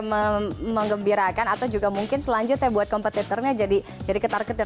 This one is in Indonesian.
ya kabar yang mengembirakan atau juga mungkin selanjutnya buat kompetitornya jadi ketar ketir